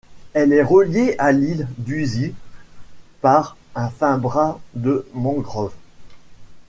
Elle est reliée à l'île d'Uzi par un fin bras de mangrove.